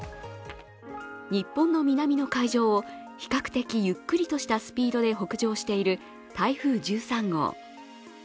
日本の南の海上を比較的ゆっくりとしたスピードで北上している台風１３号。